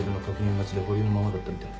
待ちで保留のままだったみたい。